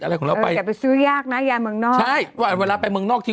อะไรของเราไปอย่าไปซื้อยากนะยาเมืองนอกใช่ว่าเวลาไปเมืองนอกที